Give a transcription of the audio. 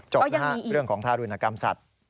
จบนะฮะเรื่องของทารุณกรรมสัตว์